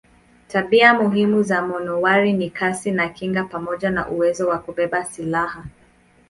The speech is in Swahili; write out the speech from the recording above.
Tabia muhimu za manowari ni kasi na kinga pamoja na uwezo wa kubeba silaha.